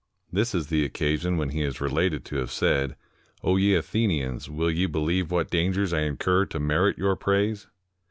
This is the occasion when he is related to have said, "0 ye Athenians, wiU ye beheve what dangers I incur to merit your praise?